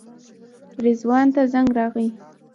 رضوان ته زنګ راغی.